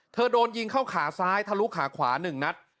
โดนยิงเข้าขาซ้ายทะลุขาขวา๑นัด